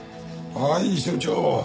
はい署長。